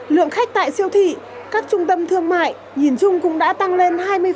lượng khách tại siêu thị các trung tâm thương mại nhìn chung cũng đã tăng lên hai mươi